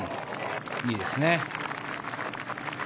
いいですね。